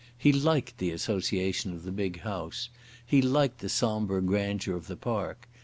He liked the association of the big house. He liked the sombre grandeur of the park.